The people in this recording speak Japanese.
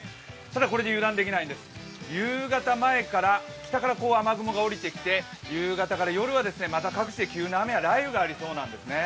ただこれ、油断できないんです、北から雨雲が下りてきて夕方から夜は各地で急な雷雨がありそうなんですね。